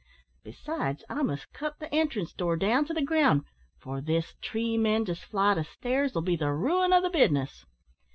Besides, I must cut the entrance door down to the ground, for this tree mendous flight o' stairs'll be the ruin o' the business.